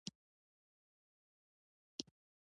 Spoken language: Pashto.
انېدښنه ورسره پیدا کړې وه.